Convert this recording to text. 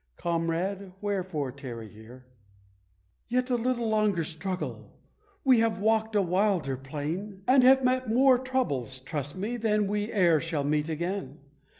Comrade, wherefore tarry here? "Yet a little longer struggle; we have walked a wilder plain, And have met more troubles, trust me, than we e'er shall meet again!